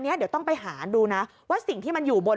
เดี๋ยวต้องไปหาดูนะว่าสิ่งที่มันอยู่บน